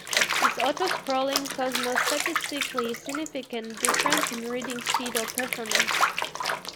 This auto-scrolling caused no statistically significant difference in reading speed or performance.